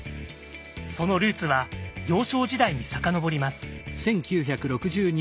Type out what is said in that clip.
そのルーツは幼少時代に遡ります。